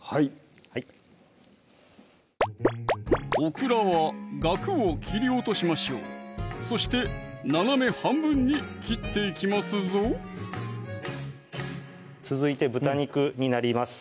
はいはいオクラはがくを切り落としましょうそして斜め半分に切っていきますぞ続いて豚肉になります